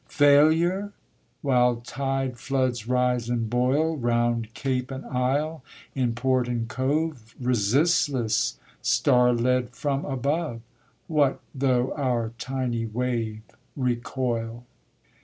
Failure? While tide floods rise and boil Round cape and isle, in port and cove, Resistless, star led from above: What though our tiny wave recoil?